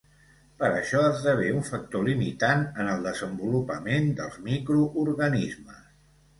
Per això esdevé un factor limitant en el desenvolupament dels microorganismes.